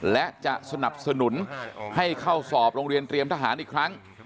และจะสนับสนุนให้เข้าสอบโรงเรียนเตรียมทหารอีกครั้ง